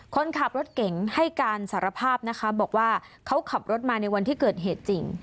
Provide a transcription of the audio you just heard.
คนขับรถเก่งให้การสารภาพนะคะบอกว่าเขาขับรถมาในวันที่เกิดเหตุจริง